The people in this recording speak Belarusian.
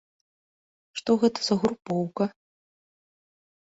Што гэта за групоўка?